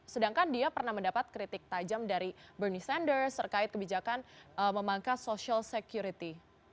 sedangkan dia pernah mendapat kritik tajam dari bernie sanders terkait kebijakan memangkas social security